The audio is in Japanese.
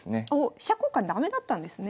飛車交換駄目だったんですね。